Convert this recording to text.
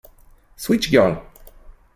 Switch Girl!!